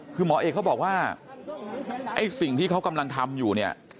คือหมอเอกเขาบอกว่าไอ้สิ่งที่เขากำลังทำอยู่เนี่ย